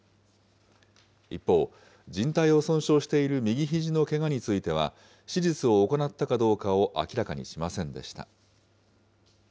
一方、じん帯を損傷している右ひじのけがについては、手術を行ったかどうかを明らかにしませんでした。